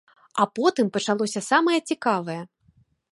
А потым пачалося самае цікавае.